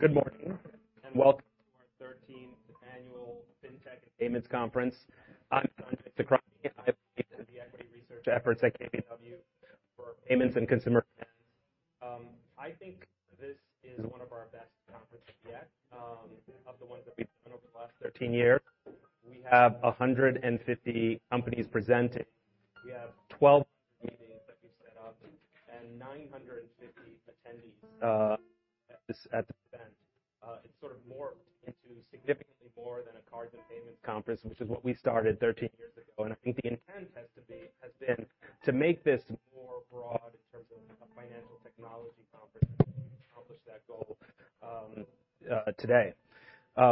Good morning and welcome to our 13th annual Fintech & Payments Conference. I'm Sanjay Sakhrani. I lead the equity research efforts at KBW for payments and consumer finance. I think this is 1 of our best conferences yet, of the ones that we've done over the last 13 years. We have 150 companies presenting. We have 1,200 meetings that we've set up and 950 attendees at this event. It sort of morphed into significantly more than a cards and payments conference, which is what we started 13 years ago. I think the intent has been to make this more broad in terms of a financial technology conference, and I think we've accomplished that goal today.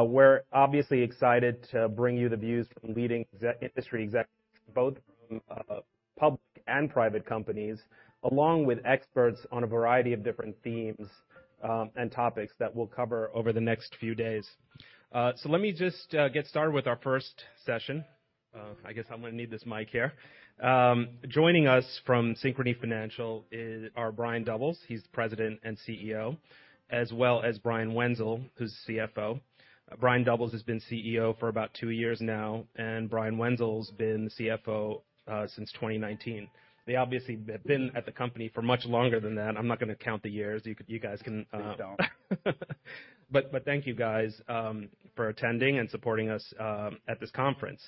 We're obviously excited to bring you the views from leading industry executives, both from public and private companies, along with experts on a variety of different themes and topics that we'll cover over the next few days. So let me just get started with our first session. I guess I'm gonna need this mic here. Joining us from Synchrony Financial are Brian Doubles, he's the President and CEO, as well as Brian Wenzel, who's the CFO. Brian Doubles has been CEO for about 2 years now, and Brian Wenzel's been CFO since 2019. They obviously have been at the company for much longer than that. I'm not gonna count the years. You guys can. Please don't. Thank you, guys, for attending and supporting us at this conference.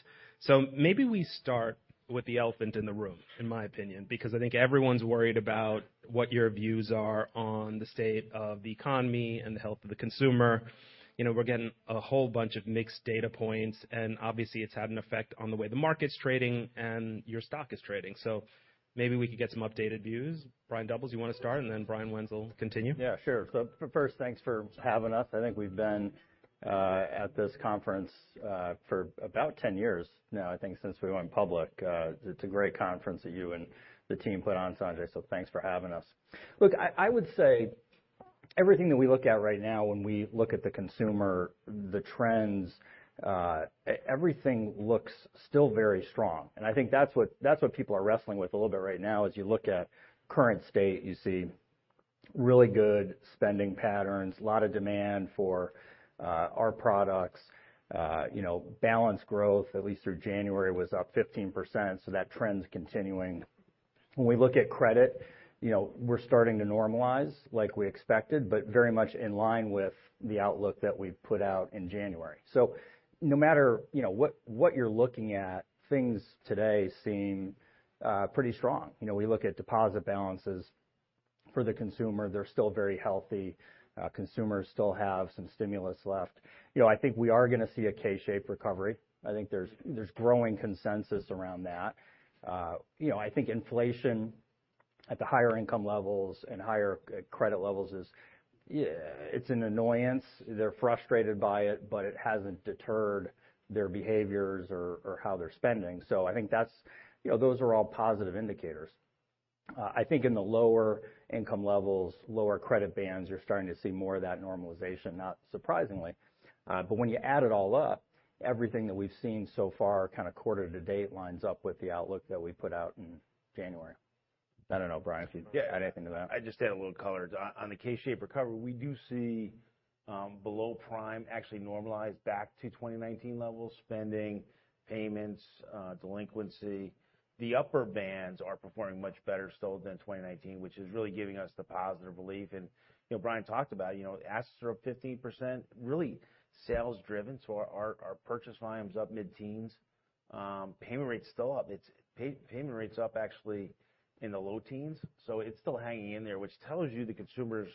Maybe we start with the elephant in the room, in my opinion, because I think everyone's worried about what your views are on the state of the economy and the health of the consumer. You know, we're getting a whole bunch of mixed data points, and obviously, it's had an effect on the way the market's trading and your stock is trading. Maybe we could get some updated views. Brian Doubles, you wanna start, and then Brian Wenzel continue? First, thanks for having us. I think we've been at this conference for about 10 years now, I think since we went public. It's a great conference that you and the team put on, Sanjay, thanks for having us. Look, I would say everything that we look at right now when we look at the consumer, the trends, everything looks still very strong. I think that's what people are wrestling with a little bit right now as you look at current state, you see really good spending patterns, a lot of demand for our products. You know, balance growth, at least through January, was up 15%, that trend's continuing. When we look at credit, you know, we're starting to normalize like we expected, but very much in line with the outlook that we put out in January. No matter, you know, what you're looking at, things today seem pretty strong. We look at deposit balances for the consumer, they're still very healthy. Consumers still have some stimulus left. I think we are gonna see a K-shaped recovery. I think there's growing consensus around that. You know, I think inflation at the higher income levels and higher credit levels is. It's an annoyance. They're frustrated by it, but it hasn't deterred their behaviors or how they're spending. I think that's, you know, those are all positive indicators. I think in the lower income levels, lower credit bands, you're starting to see more of that normalization, not surprisingly. When you add it all up, everything that we've seen so far kind of 1/4 to date lines up with the outlook that we put out in January. I don't know, Brian, if you'd add anything to that. I'd just add a little color. On the K-shaped recovery, we do see below prime actually normalize back to 2019 levels, spending, payments, delinquency. The upper bands are performing much better still than 2019, which is really giving us the positive belief. You know, Brian talked about, you know, assets are up 15%, really sales driven, so our purchase volume's up mid-teens. Payment rate's still up. Payment rate's up actually in the low teens, so it's still hanging in there, which tells you the consumer's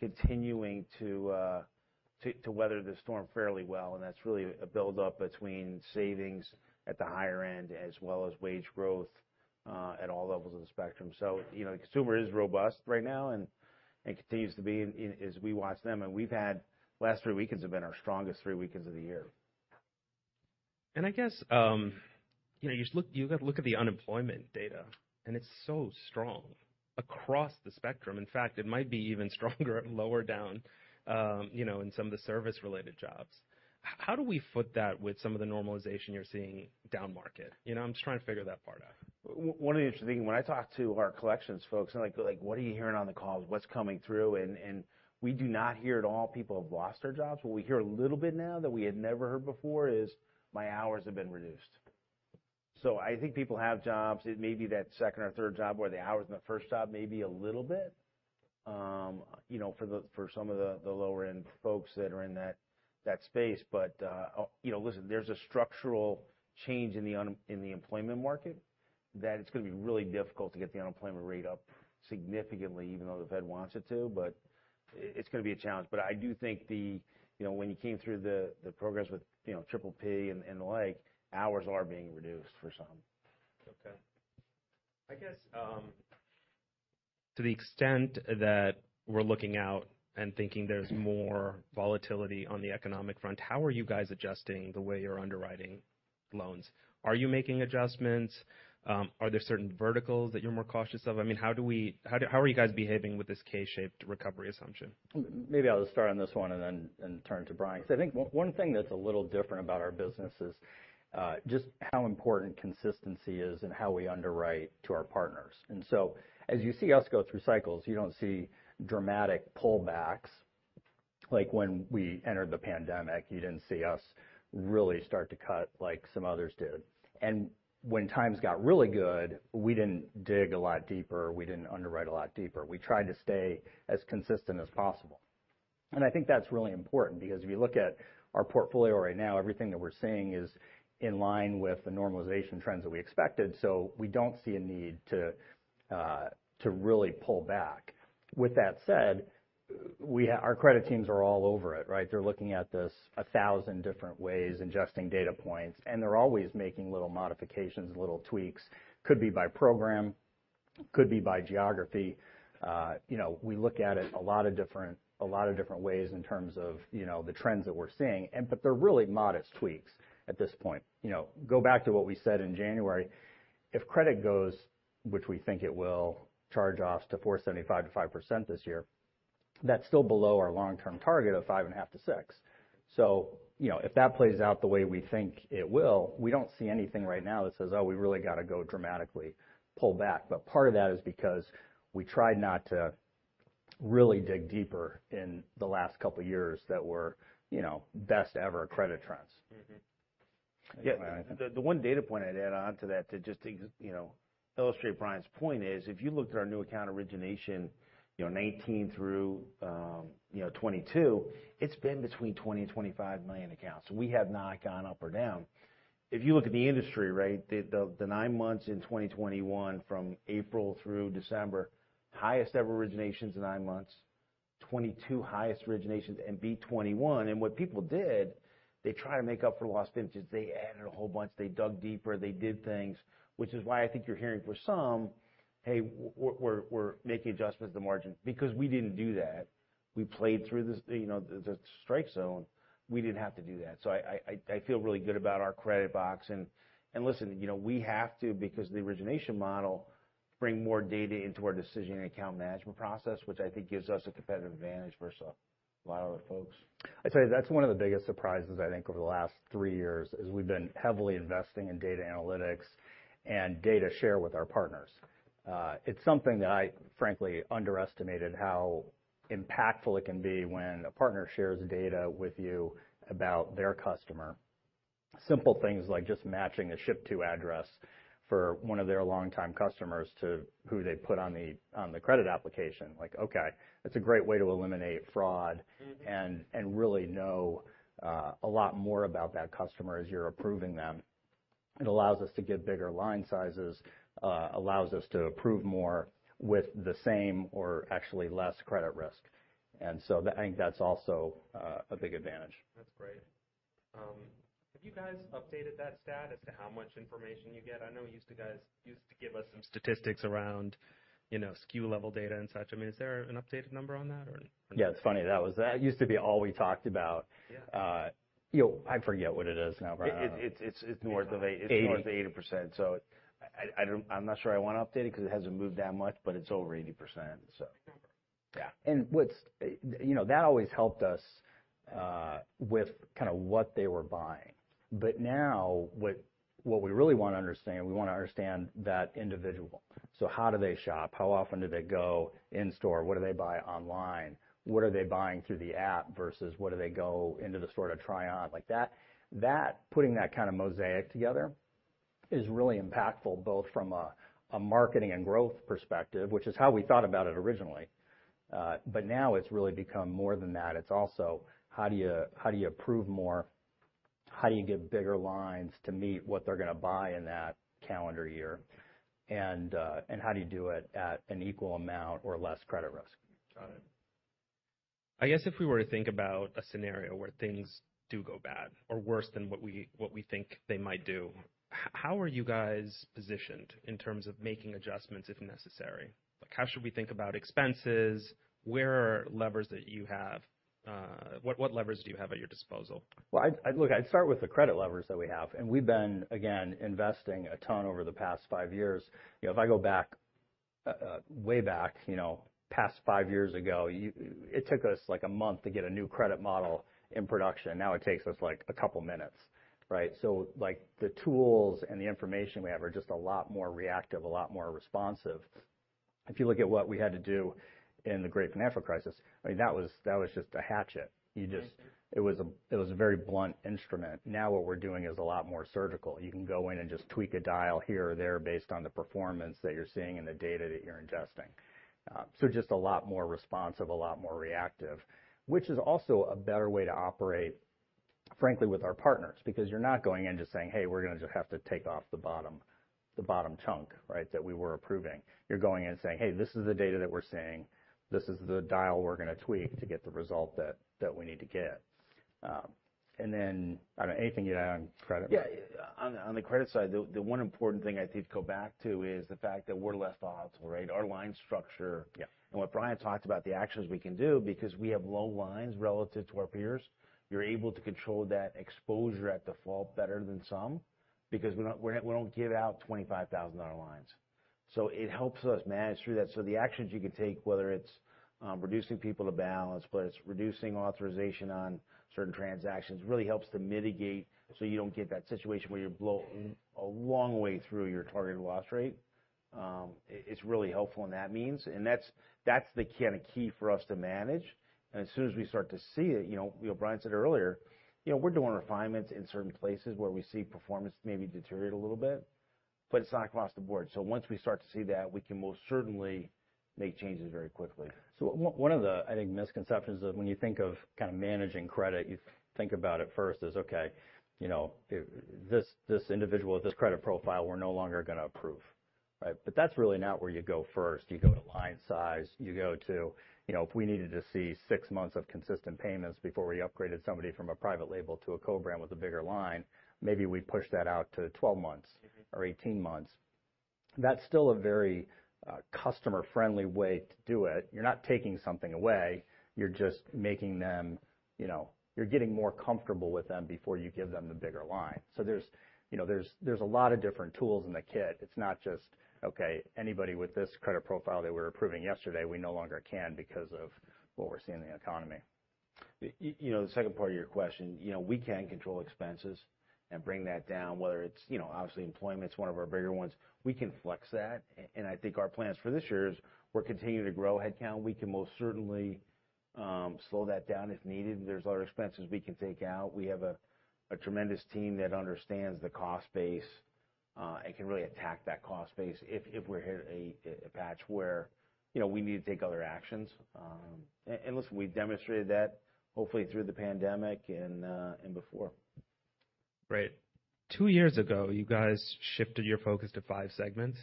continuing to weather the storm fairly well, and that's really a build-up between savings at the higher end as well as wage growth at all levels of the spectrum. You know, the consumer is robust right now and continues to be in as we watch them. Last 3 weekends have been our strongest 3 weekends of the year. I guess, you know, you gotta look at the unemployment data, and it's so strong across the spectrum. In fact, it might be even stronger lower down, you know, in some of the service-related jobs. How do we foot that with some of the normalization you're seeing down market? You know, I'm just trying to figure that part out. 1 of the interesting... When I talk to our collections folks, I go like, "What are you hearing on the calls? What's coming through?" We do not hear at all people have lost their jobs. What we hear a little bit now that we had never heard before is, "My hours have been reduced." I think people have jobs. It may be that second or third job where the hours in the first job may be a little bit, you know, for some of the lower end folks that are in that space. You know, listen, there's a structural change in the employment market, that it's gonna be really difficult to get the unemployment rate up significantly, even though the Fed wants it to. It's gonna be a challenge. I do think the... You know, when you came through the progress with, you know, triple P and the like, hours are being reduced for some. Okay. I guess, to the extent that we're looking out and thinking there's more volatility on the economic front, how are you guys adjusting the way you're underwriting loans? Are you making adjustments? Are there certain verticals that you're more cautious of? I mean, how are you guys behaving with this K-shaped recovery assumption? Maybe I'll start on this 1 and then turn to Brian. 'Cause I think 1 thing that's a little different about our business is just how important consistency is in how we underwrite to our partners. As you see us go through cycles, you don't see dramatic pullbacks. Like when we entered the pandemic, you didn't see us really start to cut like some others did. When times got really good, we didn't dig a lot deeper, we didn't underwrite a lot deeper. We tried to stay as consistent as possible. I think that's really important because if you look at our portfolio right now, everything that we're seeing is in line with the normalization trends that we expected, so we don't see a need to really pull back. With that said, our credit teams are all over it, right? They're looking at this 1,000 different ways, ingesting data points, and they're always making little modifications, little tweaks, could be by program, could be by geography. You know, we look at it a lot of different ways in terms of, you know, the trends that we're seeing, but they're really modest tweaks at this point. You know, go back to what we said in January. If credit goes, which we think it will, charge-offs to 4.75% to 5% this year, that's still below our long-term target of 5.5% to 6%. You know, if that plays out the way we think it will, we don't see anything right now that says, "Oh, we really got to go dramatically pull back." Part of that is because we tried not to really dig deeper in the last couple of years that were, you know, best ever credit trends. Mm-hmm. Go ahead. The 1 data point I'd add on to that to just you know, illustrate Brian's point is, if you looked at our new account origination, you know, '19 through, you know, '22, it's been between 20 million and 25 million accounts. We have not gone up or down. If you look at the industry, right, the 9 months in 2021 from April through December, highest ever originations in 9 months, '22 highest originations and beat '21. What people did, they try to make up for lost interest. They added a whole bunch, they dug deeper, they did things, which is why I think you're hearing for some, "Hey, we're making adjustments to the margin." Because we didn't do that. We played through the, you know, the strike zone. We didn't have to do that. I feel really good about our credit box. Listen, you know, we have to, because the origination model bring more data into our decision account management process, which I think gives us a competitive advantage versus a lot of other folks. I'd say that's 1 of the biggest surprises, I think, over the last 3 years, is we've been heavily investing in data analytics and data share with our partners. It's something that I frankly underestimated how impactful it can be when a partner shares data with you about their customer. Simple things like just matching a ship to address for 1 of their longtime customers to who they put on the, on the credit application. Like, okay, that's a great way to eliminate fraud. Mm-hmm... and really know, a lot more about that customer as you're approving them. It allows us to give bigger line sizes, allows us to approve more with the same or actually less credit risk. I think that's also a big advantage. That's great. Have you guys updated that stat as to how much information you get? I know you used to give us some statistics around, you know, SKU-level data and such. I mean, is there an updated number on that or? Yeah, it's funny. That used to be all we talked about. Yeah. You know, I forget what it is now, Brian. It's north of eight. Eighty. It's north of 80%. I'm not sure I want to update it 'cause it hasn't moved that much, but it's over 80%. Yeah. What's, you know, that always helped us with kind of what they were buying. Now what we really wanna understand, we wanna understand that individual. How do they shop? How often do they go in store? What do they buy online? What are they buying through the app versus what do they go into the store to try on? Like that, putting that kind of mosaic together is really impactful, both from a marketing and growth perspective, which is how we thought about it originally. Now it's really become more than that. It's also, how do you, how do you approve more? How do you give bigger lines to meet what they're gonna buy in that calendar year? How do you do it at an equal amount or less credit risk? Got it. I guess if we were to think about a scenario where things do go bad or worse than what we, what we think they might do, how are you guys positioned in terms of making adjustments if necessary? Like, how should we think about expenses? Where are levers that you have? What levers do you have at your disposal? Well, I'd start with the credit levers that we have, and we've been, again, investing a ton over the past 5 years. You know, if I go back, way back, you know, past 5 years ago, it took us, like, a month to get a new credit model in production. Now it takes us, like, a couple minutes, right? Like, the tools and the information we have are just a lot more reactive, a lot more responsive. If you look at what we had to do in the great financial crisis, I mean, that was just a hatchet. Mm-hmm. It was a very blunt instrument. Now what we're doing is a lot more surgical. You can go in and just tweak a dial here or there based on the performance that you're seeing and the data that you're ingesting. Just a lot more responsive, a lot more reactive, which is also a better way to operate, frankly, with our partners, because you're not going in just saying, "Hey, we're gonna just have to take off the bottom chunk, right, that we were approving." You're going in saying, "Hey, this is the data that we're seeing. This is the dial we're gonna tweak to get the result that we need to get." Then, I don't know, anything to add on credit? Yeah. On the credit side, the 1 important thing I'd need to go back to is the fact that we're less volatile, right? Our line structure- Yeah. What Brian talked about, the actions we can do because we have low lines relative to our peers. You're able to control that Exposure at Default better than some because we don't give out $25,000 lines. It helps us manage through that. The actions you could take, whether it's reducing people to balance, whether it's reducing authorization on certain transactions, really helps to mitigate so you don't get that situation where you're a long way through your targeted loss rate. It's really helpful, and that means. That's the kinda key for us to manage. As soon as we start to see it, you know, Brian said earlier, you know, we're doing refinements in certain places where we see performance maybe deteriorate a little bit, but it's not across the board. Once we start to see that, we can most certainly make changes very quickly. 1 of the, I think, misconceptions of when you think of kind of managing credit, you think about at first is, okay, you know, this individual with this credit profile, we're no longer gonna approve, right? That's really not where you go first. You go to line size. You go to, you know, if we needed to see 6 months of consistent payments before we upgraded somebody from a private label to a co-brand with a bigger line, maybe we push that out to 12 months. Mm-hmm ...or 18 months. That's still a very Customer-Friendly way to do it. You're not taking something away. You're just making them, you know, you're getting more comfortable with them before you give them the bigger line. There's, you know, a lot of different tools in the kit. It's not just, okay, anybody with this credit profile that we were approving yesterday, we no longer can because of what we're seeing in the economy. You know, the second part of your question, you know, we can control expenses and bring that down, whether it's, you know, obviously employment's 1 of our bigger ones. We can flex that. I think our plans for this year is we're continuing to grow headcount. We can most certainly slow that down if needed, and there's other expenses we can take out. We have a tremendous team that understands the cost base and can really attack that cost base if we're hit a patch where, you know, we need to take other actions. Listen, we've demonstrated that, hopefully, through the pandemic and before. Great. 2 years ago, you guys shifted your focus to 5 segments,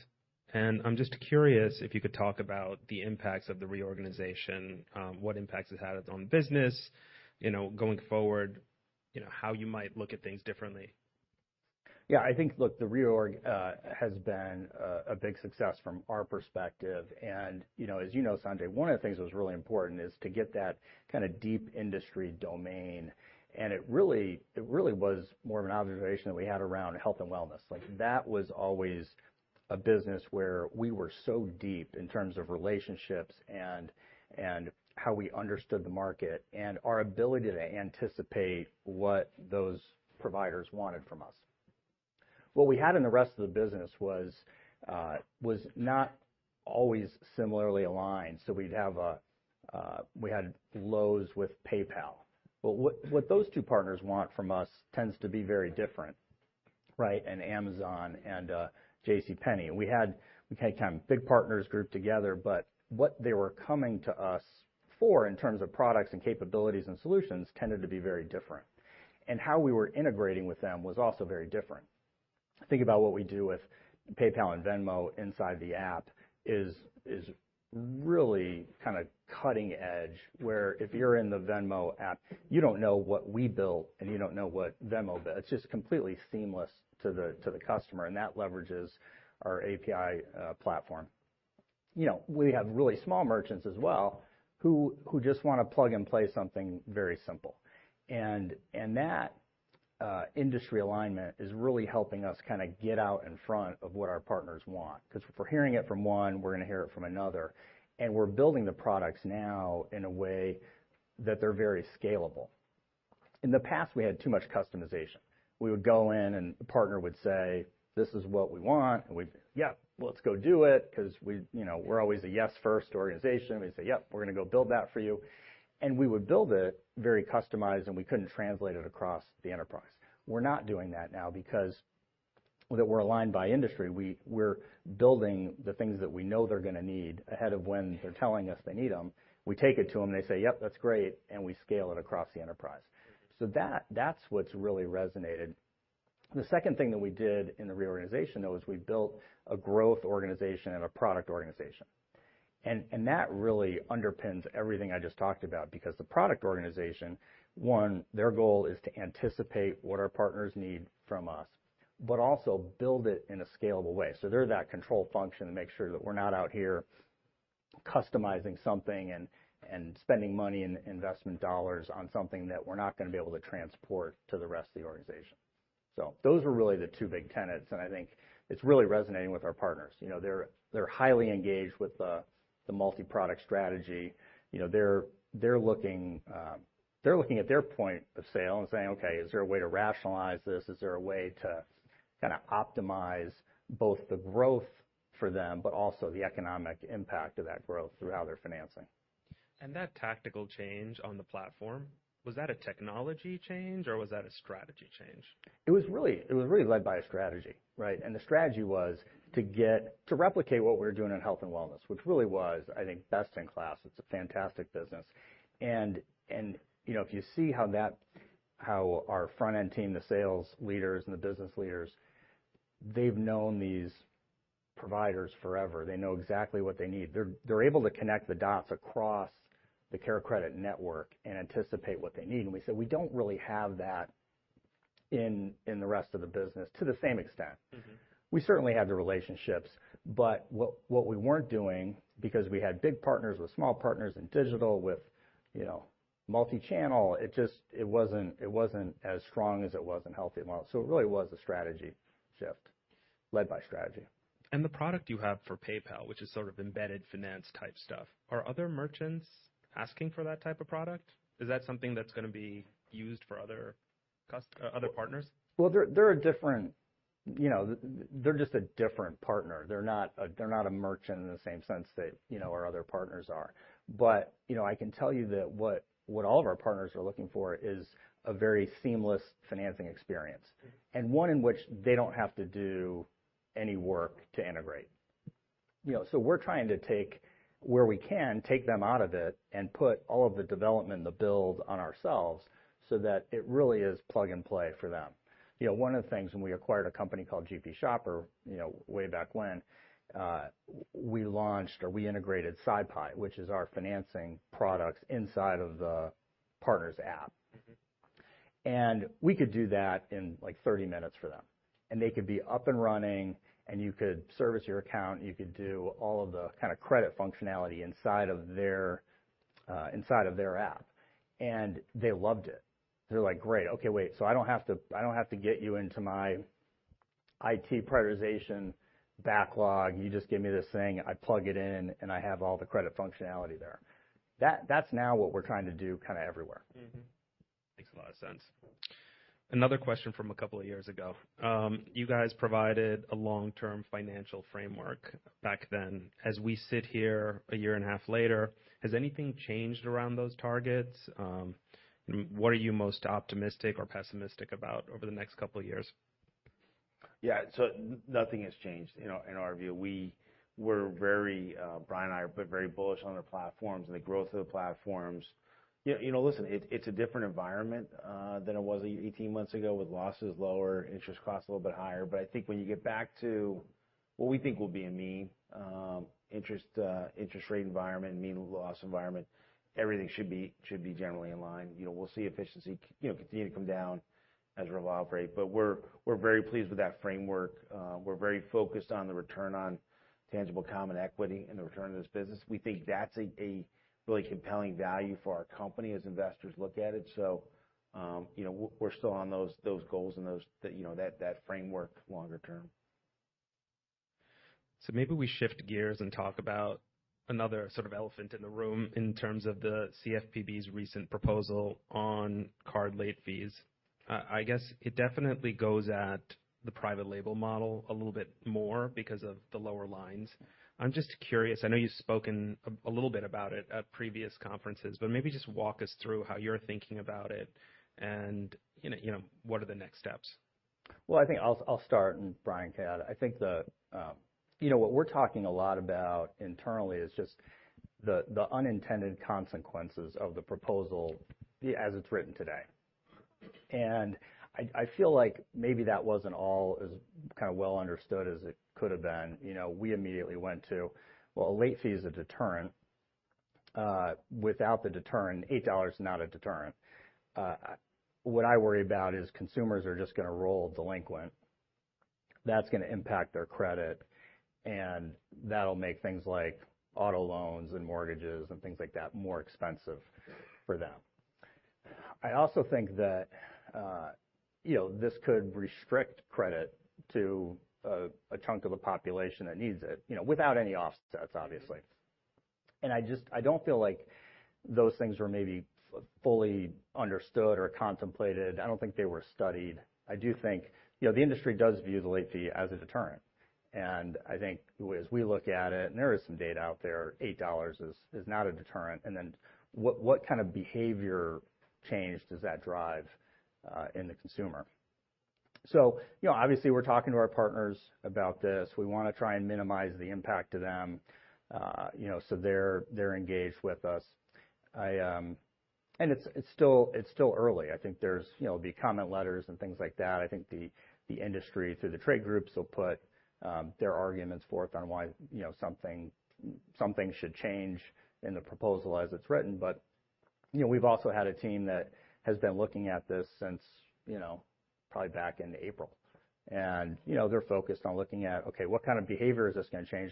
and I'm just curious if you could talk about the impacts of the reorganization, what impacts it had on business, you know, going forward, you know, how you might look at things differently. Yeah. I think, look, the reorg has been a big success from our perspective. You know, as you know, Sanjay Sakhrani, 1 of the things that was really important is to get that kinda deep industry domain, and it really, it really was more of an observation that we had around health and wellness. Like, that was always a business where we were so deep in terms of relationships and how we understood the market and our ability to anticipate what those providers wanted from us. What we had in the rest of the business was not always similarly aligned, so we'd have a, we had Lowe's with PayPal. Well, what those 2 partners want from us tends to be very different, right? And Amazon and JCPenney. We had kind of big partners grouped together, but what they were coming to us for in terms of products and capabilities and solutions tended to be very different. How we were integrating with them was also very different. Think about what we do with PayPal and Venmo inside the app is really kinda cutting edge, where if you're in the Venmo app, you don't know what we built, and you don't know what Venmo does. It's just completely seamless to the customer, and that leverages our API platform. You know, we have really small merchants as well who just wanna plug and play something very simple. That industry alignment is really helping us kinda get out in front of what our partners want. 'Cause if we're hearing it from 1, we're gonna hear it from another, and we're building the products now in a way that they're very scalable. In the past, we had too much customization. We would go in and a partner would say, "This is what we want," and we'd, "Yeah. Let's go do it," 'cause we, you know, we're always a yes-first organization. We say, "Yep, we're gonna go build that for you." We would build it very customized, and we couldn't translate it across the enterprise. We're not doing that now because that we're aligned by industry. We're building the things that we know they're gonna need ahead of when they're telling us they need them. We take it to them, they say, "Yep, that's great," and we scale it across the enterprise. That's what's really resonated. The second thing that we did in the reorganization, though, is we built a growth organization and a product organization. That really underpins everything I just talked about because the product organization, 1, their goal is to anticipate what our partners need from us but also build it in a scalable way. They're that control function to make sure that we're not out here customizing something and spending money and investment dollars on something that we're not gonna be able to transport to the rest of the organization. Those were really the 2 big tenets, and I think it's really resonating with our partners. You know, they're highly engaged with the multiproduct strategy. You know, they're looking at their point of sale and saying, "Okay, is there a way to rationalize this? Is there a way to kinda both the growth for them but also the economic impact of that growth through how they're financing. That tactical change on the platform, was that a technology change, or was that a strategy change? It was really led by a strategy, right? The strategy was to replicate what we were doing in health and wellness, which really was, I think, best in class. It's a fantastic business. You know, if you see how that, how our front end team, the sales leaders and the business leaders, they've known these providers forever. They know exactly what they need. They're able to connect the dots across the CareCredit network and anticipate what they need. We said we don't really have that in the rest of the business to the same extent. Mm-hmm. We certainly have the relationships, but what we weren't doing, because we had big partners with small partners in digital, with, you know, multi-channel, it wasn't as strong as it was in health and wellness. It really was a strategy shift led by strategy. The product you have for PayPal, which is sort of embedded finance type stuff, are other merchants asking for that type of product? Is that something that's gonna be used for other partners? Well, they're a different, you know, they're just a different partner. They're not a merchant in the same sense that, you know, our other partners are. You know, I can tell you that what all of our partners are looking for is a very seamless financing experience, and 1 in which they don't have to do any work to integrate. You know, we're trying to take, where we can, take them out of it and put all of the development and the build on ourselves so that it really is plug and play for them. You know, 1 of the things when we acquired a company called GPShopper, you know, way back when, we launched or we integrated SyPI, which is our financing products inside of the partner's app. Mm-hmm. We could do that in like 30 minutes for them. They could be up and running, and you could service your account, you could do all of the kind of credit functionality inside of their inside of their app. They loved it. They're like, "Great. Okay, wait. I don't have to get you into my IT prioritization backlog. You just give me this thing, I plug it in, and I have all the credit functionality there." That's now what we're trying to do kind of everywhere. Mm-hmm. Makes a lot of sense. Another question from a couple of years ago. You guys provided a long-term financial framework back then. As we sit here a year and a 1/2 later, has anything changed around those targets? What are you most optimistic or pessimistic about over the next couple of years? Yeah. Nothing has changed, you know, in our view. We're very, Brian and I are very bullish on the platforms and the growth of the platforms. You know, listen, it's a different environment than it was 18 months ago with losses lower, interest costs a little bit higher. I think when you get back to what we think will be a mean interest rate environment, mean loss environment, everything should be generally in line. You know, we'll see efficiency you know, continue to come down as we evolve, right? We're very pleased with that framework. We're very focused on the return on tangible common equity and the return of this business. We think that's a really compelling value for our company as investors look at it. You know, we're still on those goals and those, you know, that framework longer term. Maybe we shift gears and talk about another sort of elephant in the room in terms of the CFPB's recent proposal on card late fees. I guess it definitely goes at the private label model a little bit more because of the lower lines. I'm just curious, I know you've spoken a little bit about it at previous conferences, but maybe just walk us through how you're thinking about it and, you know, what are the next steps? I think I'll start and Brian can add. I think the, you know, what we're talking a lot about internally is just the unintended consequences of the proposal as it's written today. I feel like maybe that wasn't all as kind of well understood as it could have been. You know, we immediately went to, well, a late fee is a deterrent. Without the deterrent, $8 is not a deterrent. What I worry about is consumers are just gonna roll delinquent. That's gonna impact their credit, and that'll make things like auto loans and mortgages and things like that more expensive for them. I also think that, you know, this could restrict credit to a chunk of the population that needs it, you know, without any offsets, obviously. I just I don't feel like those things were maybe fully understood or contemplated. I don't think they were studied. I do think, you know, the industry does view the late fee as a deterrent. I think as we look at it, and there is some data out there, $8 is not a deterrent. What kind of behavior change does that drive in the consumer? You know, obviously, we're talking to our partners about this. We wanna try and minimize the impact to them, you know, so they're engaged with us. It's still early. I think there's, you know, the comment letters and things like that. I think the industry, through the trade groups, will put their arguments forth on why, you know, something should change in the proposal as it's written. You know, we've also had a team that has been looking at this since, you know, probably back in April. You know, they're focused on looking at, okay, what kind of behavior is this gonna change.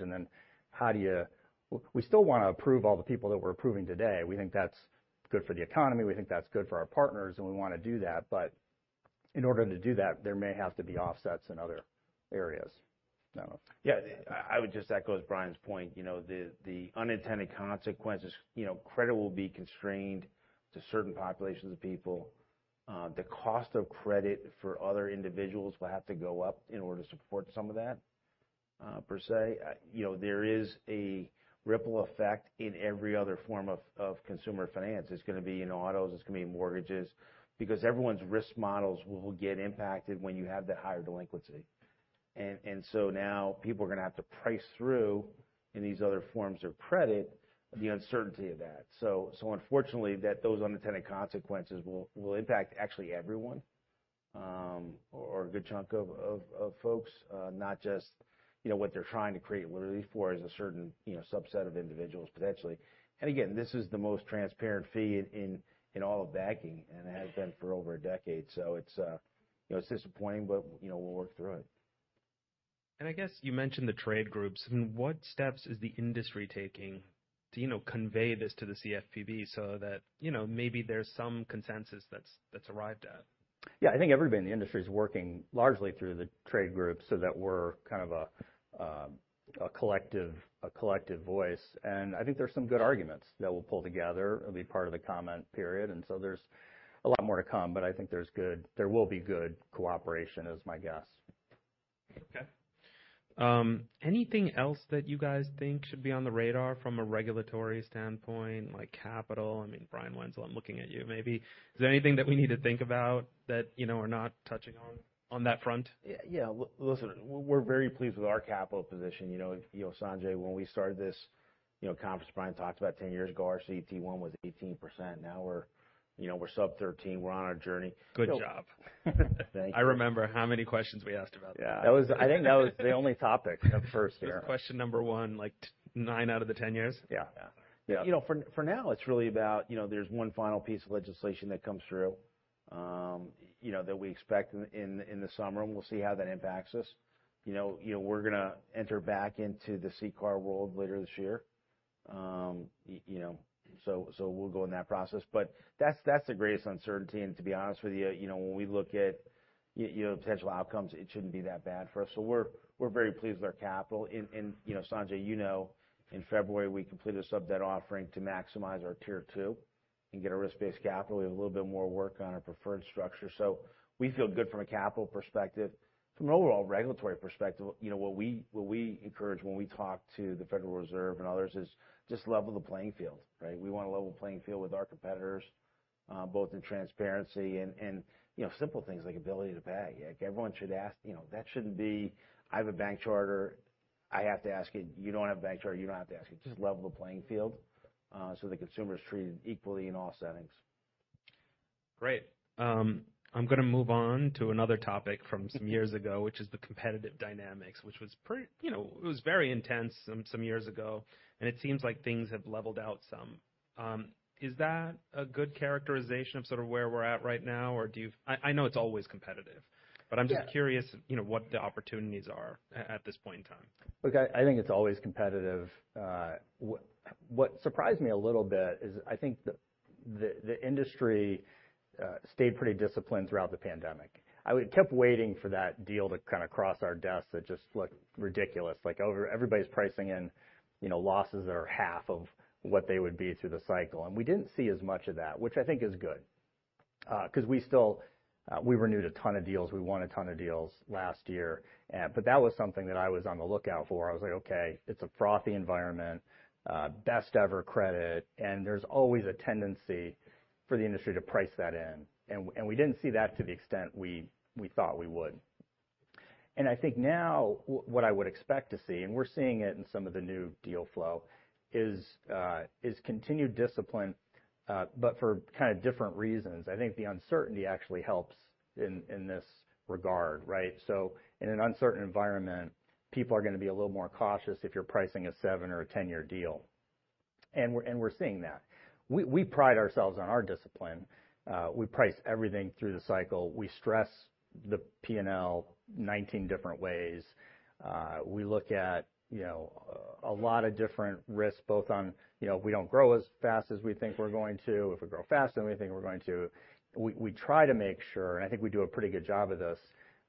We still wanna approve all the people that we're approving today. We think that's good for the economy, we think that's good for our partners, and we wanna do that. In order to do that, there may have to be offsets in other areas. I don't know. Yeah. I would just echo Brian's point. You know, the unintended consequences, you know, credit will be constrained to certain populations of people. The cost of credit for other individuals will have to go up in order to support some of that, per se. You know, there is a ripple effect in every other form of consumer finance. It's gonna be in autos, it's gonna be in mortgages, because everyone's risk models will get impacted when you have that higher delinquency. Now people are gonna have to price through, in these other forms of credit, the uncertainty of that. Unfortunately, that those unintended consequences will impact actually everyone, or a good chunk of folks, not just, you know, what they're trying to create literally for is a certain, you know, subset of individuals potentially. Again, this is the most transparent fee in all of banking and has been for over a decade. It's, you know, it's disappointing, but, you know, we'll work through it. I guess you mentioned the trade groups. I mean, what steps is the industry taking to, you know, convey this to the CFPB so that, you know, maybe there's some consensus that's arrived at? Yeah. I think everybody in the industry is working largely through the trade groups so that we're kind of a collective voice. I think there's some good arguments that we'll pull together. It'll be part of the comment period, there's a lot more to come, I think there's good cooperation is my guess. Anything else that you guys think should be on the radar from a regulatory standpoint, like capital? I mean, Brian Wenzel, I'm looking at you. Maybe is there anything that we need to think about that, you know, we're not touching on that front? Yeah. Listen, we're very pleased with our capital position. You know, Sanjay, when we started this, you know, conference Brian talked about 10 years ago, our CET1 was 18%. We're, you know, we're sub 13. We're on our journey. Good job. Thank you. I remember how many questions we asked about that. Yeah. I think that was the only topic at first here. It was question number 1, like 9 out of the 10 years. Yeah. Yeah. You know, for now, it's really about, you know, there's 1 final piece of legislation that comes through, you know, that we expect in the summer. We'll see how that impacts us. You know, we're gonna enter back into the CCAR world later this year. You know, so we'll go in that process. That's the greatest uncertainty. To be honest with you know, when we look at you know, potential outcomes, it shouldn't be that bad for us. We're very pleased with our capital. You know, Sanjay, you know in February, we completed a subordinated debt offering to maximize our Tier 2 and get a risk-based capital. We have a little bit more work on our preferred structure. We feel good from a capital perspective. From an overall regulatory perspective, you know, what we encourage when we talk to the Federal Reserve and others is just level the playing field, right? We want a level playing field with our competitors, both in transparency and, you know, simple things like ability to pay. Like, everyone should ask, you know. That shouldn't be, I have a bank charter, I have to ask you. You don't have a bank charter, you don't have to ask you. Just level the playing field, so the consumer is treated equally in all settings. Great. I'm gonna move on to another topic from some years ago, which is the competitive dynamics, which was pretty, you know, it was very intense some years ago, and it seems like things have leveled out some. Is that a good characterization of sort of where we're at right now? Or do you... I know it's always competitive. Yeah. I'm just curious, you know, what the opportunities are at this point in time. Look, I think it's always competitive. What surprised me a little bit is I think the industry stayed pretty disciplined throughout the pandemic. I kept waiting for that deal to kind of cross our desks that just looked ridiculous. Like everybody's pricing in, you know, losses that are 1/2 of what they would be through the cycle. We didn't see as much of that, which I think is good, 'cause we still, we renewed a ton of deals, we won a ton of deals last year. That was something that I was on the lookout for. I was like, okay, it's a frothy environment, best ever credit, and there's always a tendency for the industry to price that in, and we didn't see that to the extent we thought we would. I think now what I would expect to see, and we're seeing it in some of the new deal flow, is continued discipline, but for kind of different reasons. I think the uncertainty actually helps in this regard, right? In an uncertain environment, people are gonna be a little more cautious if you're pricing a 7 or a 10-Year deal. We're seeing that. We pride ourselves on our discipline. We price everything through the cycle. We stress the P&L 19 different ways. We look at, you know, a lot of different risks both on, you know, we don't grow as fast as we think we're going to. If we grow faster than we think we're going to. We try to make sure, and I think we do a pretty good job of this,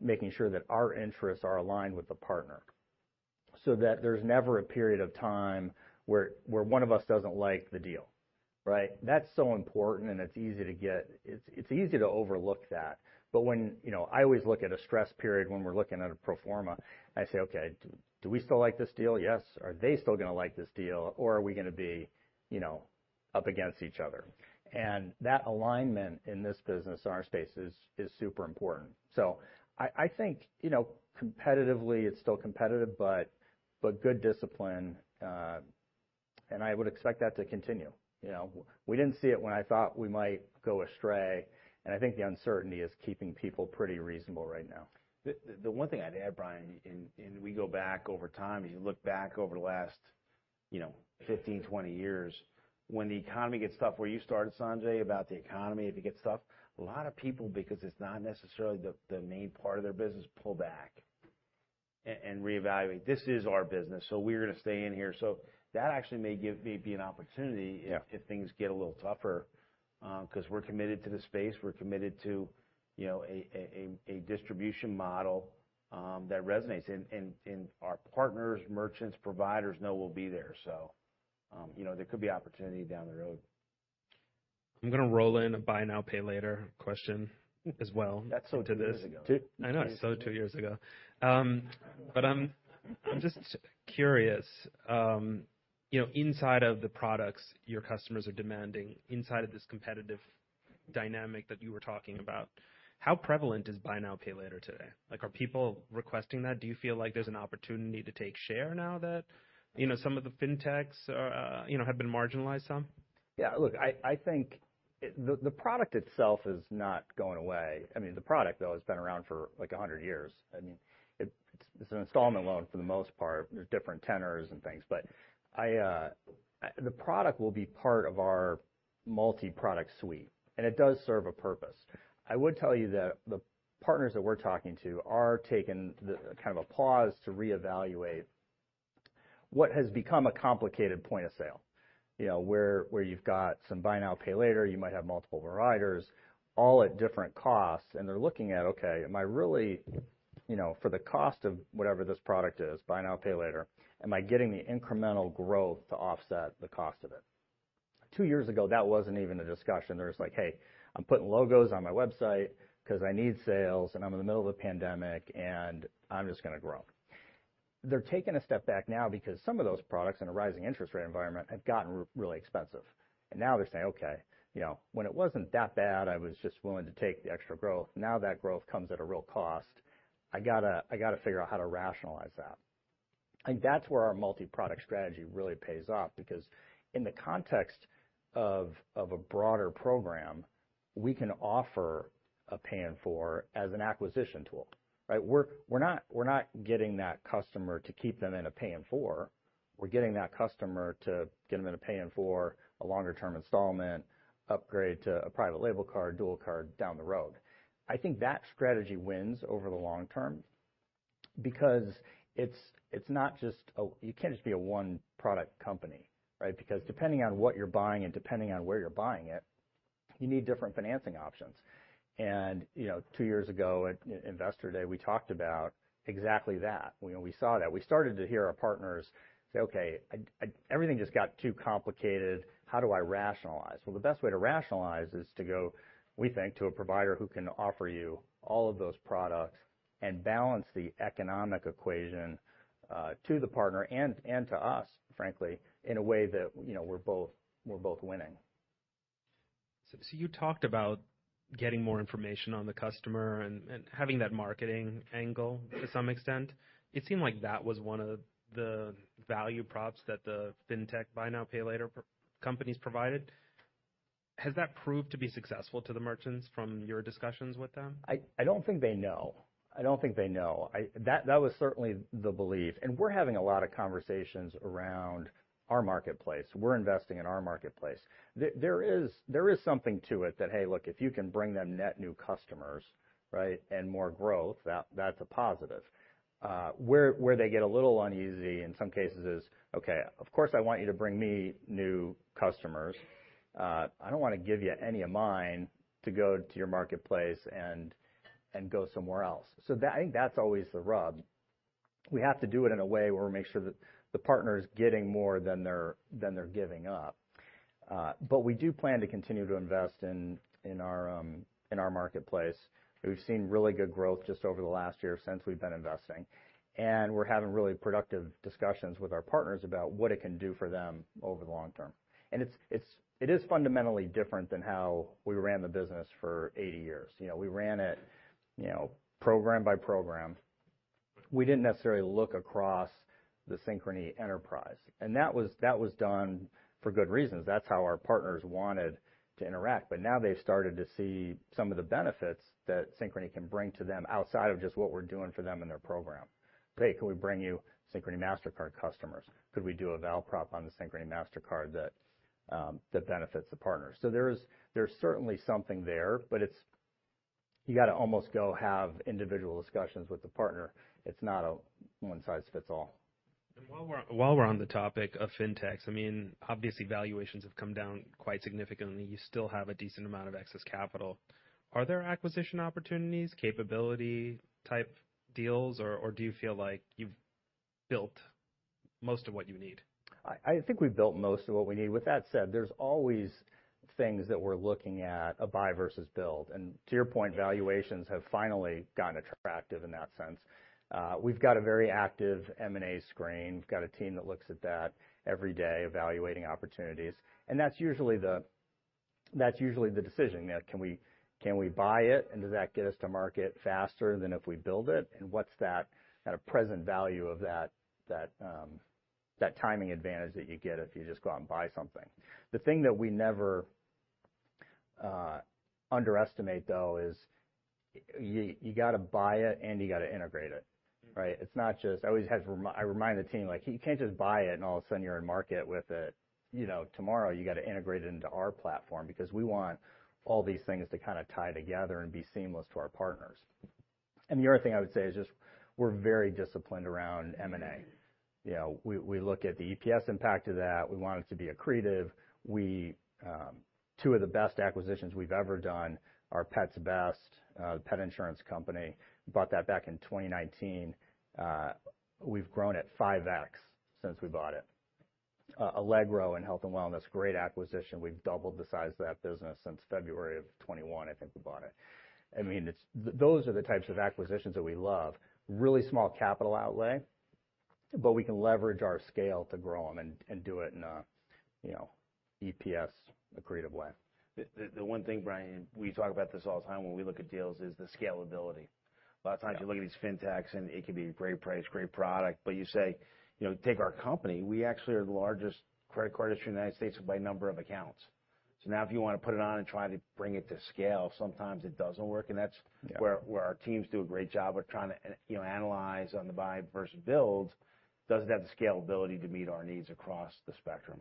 making sure that our interests are aligned with the partner, so that there's never a period of time where 1 of us doesn't like the deal, right? That's so important, and it's easy to overlook that. When, you know, I always look at a stress period when we're looking at a Pro-forma, and I say, "Okay, do we still like this deal?" Yes. Are they still gonna like this deal, or are we gonna be, you know, up against each other? That alignment in this business, in our space, is super important. I think, you know, competitively, it's still competitive, but good discipline, and I would expect that to continue. You know, we didn't see it when I thought we might go astray, and I think the uncertainty is keeping people pretty reasonable right now. The 1 thing I'd add, Brian, and we go back over time, as you look back over the last, you know, 15, 20 years, when the economy gets tough, where you started, Sanjay, about the economy, if it gets tough, a lot of people, because it's not necessarily the main part of their business, pull back and reevaluate. This is our business, so we're gonna stay in here. That actually may be an opportunity. Yeah... if things get a little tougher, cause we're committed to the space, we're committed to, you know, a distribution model that resonates. Our partners, merchants, providers know we'll be there. You know, there could be opportunity down the road. I'm gonna roll in a buy now, pay later question as well to this. That's so 2 years ago. I know. It's so 2 years ago. I'm just curious, you know, inside of the products your customers are demanding, inside of this competitive dynamic that you were talking about, how prevalent is buy now, pay later today? Like, are people requesting that? Do you feel like there's an opportunity to take share now that, you know, some of the fintechs are, you know, have been marginalized some? Yeah. Look, I think the product itself is not going away. I mean, the product, though, has been around for, like, 100 years. I mean, it's an installment loan for the most part. There's different tenors and things. I, the product will be part of our Multi-Product suite, and it does serve a purpose. I would tell you that the partners that we're talking to are taking kind of a pause to reevaluate what has become a complicated point of sale, you know, where you've got some buy now, pay later, you might have multiple providers all at different costs, and they're looking at, okay, am I really, you know, for the cost of whatever this product is, buy now, pay later, am I getting the incremental growth to offset the cost of it? 2 years ago, that wasn't even a discussion. They're just like, "Hey, I'm putting logos on my website 'cause I need sales, and I'm in the middle of a pandemic, and I'm just gonna grow." They're taking a step back now because some of those products in a rising interest rate environment have gotten really expensive. Now they're saying, "Okay, you know, when it wasn't that bad, I was just willing to take the extra growth. Now that growth comes at a real cost. I gotta figure out how to rationalize that." I think that's where our multi-product strategy really pays off because in the context of a broader program, we can offer a pay-in-4 as an acquisition tool, right? We're not getting that customer to keep them in a pay-in-4. We're getting that customer to get them in a pay-in-4, a longer term installment, upgrade to a private label card, dual card down the road. I think that strategy wins over the long term because it's not just a... You can't just be a One-Product company, right? Because depending on what you're buying and depending on where you're buying it, you need different financing options. You know, 2 years ago at Investor Day, we talked about exactly that. You know, we saw that. We started to hear our partners say, "Okay, Everything just got too complicated. How do I rationalize?" Well, the best way to rationalize is to go, we think, to a provider who can offer you all of those products and balance the economic equation, to the partner and to us, frankly, in a way that, you know, we're both winning. You talked about getting more information on the customer and having that marketing angle to some extent. It seemed like that was 1 of the value props that the fintech buy now, pay later companies provided. Has that proved to be successful to the merchants from your discussions with them? I don't think they know. I don't think they know. That was certainly the belief. We're having a lot of conversations around our marketplace. We're investing in our marketplace. There is something to it that, hey, look, if you can bring them net new customers, right, and more growth, that's a positive. Where they get a little uneasy in some cases is, "Okay, of course, I want you to bring me new customers. I don't wanna give you any of mine to go to your marketplace and go somewhere else." I think that's always the rub. We have to do it in a way where we make sure that the partner is getting more than they're giving up. We do plan to continue to invest in our marketplace. We've seen really good growth just over the last year since we've been investing, and we're having really productive discussions with our partners about what it can do for them over the long term. It is fundamentally different than how we ran the business for 80 years. You know, we ran it, you know, program by program. We didn't necessarily look across the Synchrony enterprise, and that was done for good reasons. That's how our partners wanted to interact. Now they've started to see some of the benefits that Synchrony can bring to them outside of just what we're doing for them in their program. "Hey, can we bring you Synchrony Mastercard customers? Could we do a val prop on the Synchrony Mastercard that benefits the partners" There's certainly something there, but it's... You gotta almost go have individual discussions with the partner. It's not a One-Size-Fits-All. While we're on the topic of fintechs, I mean, obviously valuations have come down quite significantly. You still have a decent amount of excess capital. Are there acquisition opportunities, capability type deals, or do you feel like you've built most of what you need? I think we've built most of what we need. With that said, there's always things that we're looking at, a buy versus build. To your point, valuations have finally gotten attractive in that sense. We've got a very active M&A screen. We've got a team that looks at that every day evaluating opportunities, that's usually the decision. You know, can we buy it, does that get us to market faster than if we build it? What's that at a present value of that timing advantage that you get if you just go out and buy something? The thing that we never underestimate though is you gotta buy it, and you gotta integrate it, right? It's not just... I always remind the team, like, you can't just buy it, and all of a sudden you're in market with it, you know, tomorrow. You gotta integrate it into our platform because we want all these things to kind of tie together and be seamless to our partners. The other thing I would say is just we're very disciplined around M&A. You know, we look at the EPS impact of that. We want it to be accretive. We, 2 of the best acquisitions we've ever done are Pets Best, the pet insurance company. Bought that back in 2019. We've grown it 5x since we bought it. Allegro in health and wellness, great acquisition. We've doubled the size of that business since February of 2021, I think we bought it. I mean, those are the types of acquisitions that we love. Really small capital outlay, but we can leverage our scale to grow them and do it in a, you know, EPS accretive way. The 1 thing, Brian, we talk about this all the time when we look at deals is the scalability. Yeah. A lot of times you look at these fintechs, and it can be great price, great product, but you say, you know, take our company. We actually are the largest credit card issuer in the United States by number of accounts. Now if you want to put it on and try to bring it to scale, sometimes it doesn't work. Yeah... where our teams do a great job of trying to you know, analyze on the buy versus build. Does it have the scalability to meet our needs across the spectrum?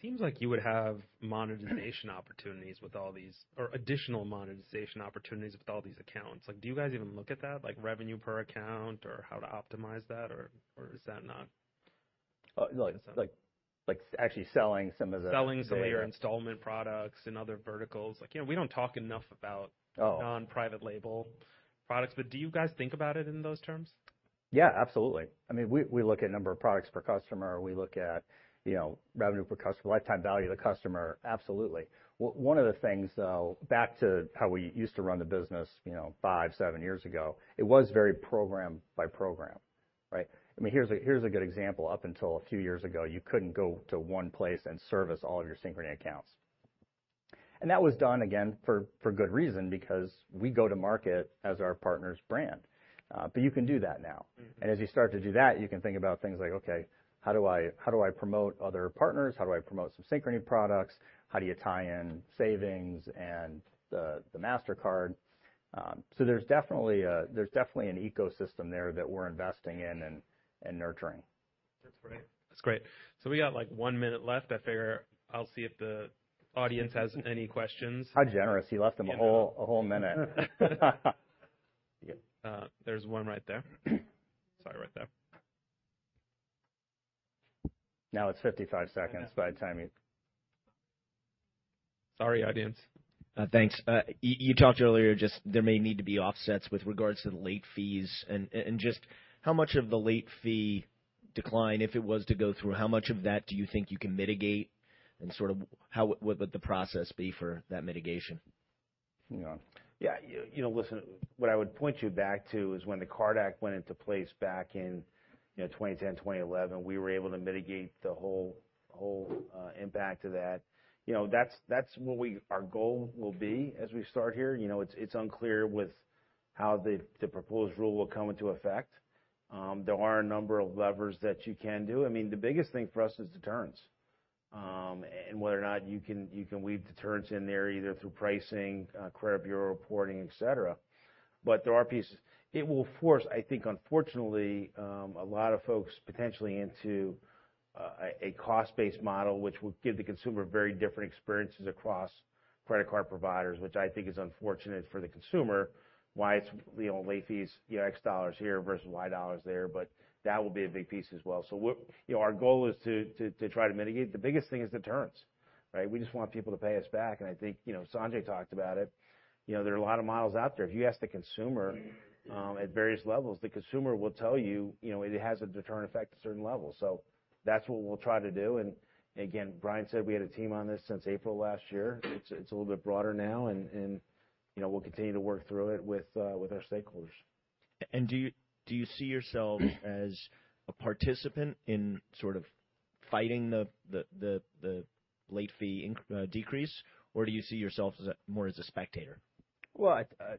Seems like you would have monetization opportunities with all these or additional monetization opportunities with all these accounts. Like, do you guys even look at that, like revenue per account or how to optimize that? Like actually selling some of the Selling some of your installment products in other verticals. Like, you know, we don't talk enough about. Oh... non-private label products, but do you guys think about it in those terms? Yeah, absolutely. I mean, we look at number of products per customer. We look at, you know, revenue per customer, lifetime value of the customer. Absolutely. 1 of the things, though, back to how we used to run the business, you know, 5, 7 years ago, it was very program by program, right? I mean, here's a good example. Up until a few years ago, you couldn't go to 1 place and service all of your Synchrony accounts. That was done, again, for good reason, because we go to market as our partner's brand. You can do that now. Mm-hmm. As you start to do that, you can think about things like, okay, how do I promote other partners? How do I promote some Synchrony products? How do you tie in savings and the Mastercard? There's definitely an ecosystem there that we're investing in and nurturing. That's great. That's great. We got, like, 1 minute left. I figure I'll see if the audience has any questions. How generous. You left them a whole-. You know. A whole minute. There's 1 right there. Sorry, right there. It's 55 seconds by the time. Sorry, audience. Thanks. You talked earlier just there may need to be offsets with regards to the late fees and just how much of the late fee decline, if it was to go through, how much of that do you think you can mitigate and sort of how would the process be for that mitigation? Hang on. Yeah, you know, listen, what I would point you back to is when the CARD Act went into place back in, you know, 2010, 2011, we were able to mitigate the whole impact to that. You know, that's our goal will be as we start here. You know, it's unclear with how the proposed rule will come into effect. There are a number of levers that you can do. I mean, the biggest thing for us is deterrence, and whether or not you can weave deterrence in there either through pricing, credit bureau reporting, et cetera. There are pieces. It will force, I think, unfortunately, a lot of folks potentially into a cost-based model, which will give the consumer very different experiences across credit card providers, which I think is unfortunate for the consumer. Why it's, you know, late fees, you know, X dollars here versus Y dollars there, but that will be a big piece as well. Our goal is to try to mitigate. The biggest thing is deterrence, right? We just want people to pay us back, and I think, you know, Sanjay talked about it. You know, there are a lot of models out there. If you ask the consumer, at various levels, the consumer will tell you know, it has a deterrent effect to certain levels. That's what we'll try to do. Again, Brian said we had a team on this since April last year. It's a little bit broader now and, you know, we'll continue to work through it with our stakeholders. Do you see yourself as a participant in sort of fighting the, the late fee decrease, or do you see yourself as more as a spectator? Well, I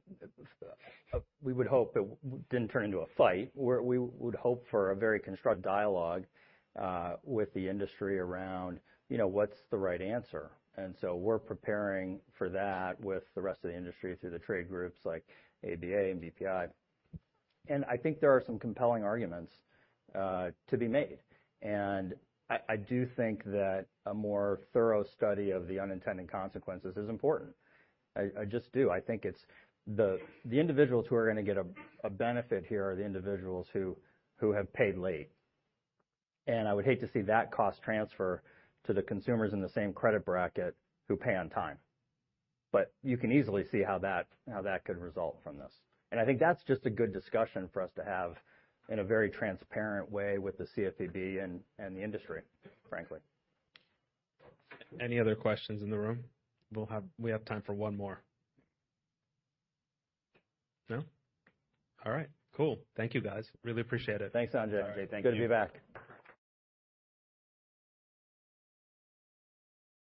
would hope it didn't turn into a fight. We would hope for a very constructive dialogue with the industry around, you know, what's the right answer. We're preparing for that with the rest of the industry through the trade groups like ABA and BPI. I think there are some compelling arguments to be made. I do think that a more thorough study of the unintended consequences is important. I just do. I think it's the individuals who are gonna get a benefit here are the individuals who have paid late. I would hate to see that cost transfer to the consumers in the same credit bracket who pay on time. You can easily see how that could result from this. I think that's just a good discussion for us to have in a very transparent way with the CFPB and the industry, frankly. Any other questions in the room? We have time for 1 more. No? All right. Cool. Thank you, guys. Really appreciate it. Thanks, Sanjay. Sanjay, thank you. Good to be back.